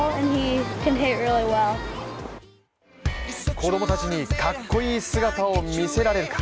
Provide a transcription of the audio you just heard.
子供たちにかっこいい姿を見せられるか。